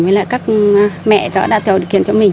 với lại các mẹ đã tạo điều kiện cho mình